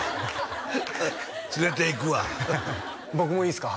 連れていくわ僕もいいですか？